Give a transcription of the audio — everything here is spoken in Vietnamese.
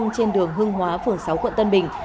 trên đường hưng hóa phường sáu quận tân bình